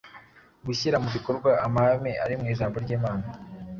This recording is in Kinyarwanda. gushyira mu bikorwa amahame ari mu ijambo ry’imana,